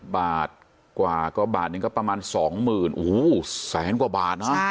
๗บาทกว่าก็บาทนี้ก็ประมาณ๒หมื่นโอ้โหแสนกว่าบาทนะ